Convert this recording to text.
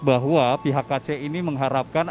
bahwa pihak kc ini mengharapkan